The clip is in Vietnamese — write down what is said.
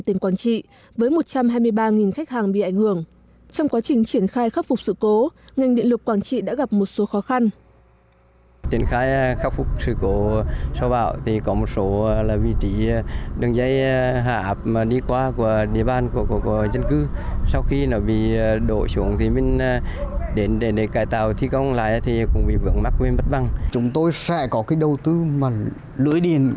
trong quá trình triển khai khắc phục sự cố ngành điện lực quảng trị đã gặp một số khó khăn